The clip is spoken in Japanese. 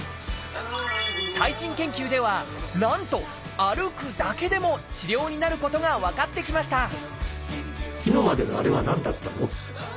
最新研究ではなんと歩くだけでも治療になることが分かってきました